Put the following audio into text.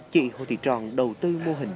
chị hồ thị tròn đầu tư mô hình